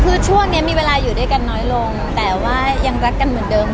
คือช่วงนี้มีเวลาอยู่ด้วยกันน้อยลงแต่ว่ายังรักกันเหมือนเดิม